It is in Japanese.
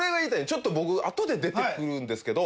ちょっと僕後で出て来るんですけど。